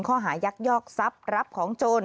ยักยอกทรัพย์รับของโจร